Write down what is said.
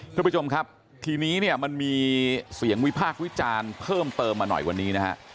คุณผู้ชมครับทีนี้เนี่ยมันมีเสียงวิพากษ์วิจารณ์เพิ่มเติมมาหน่อยวันนี้นะฮะ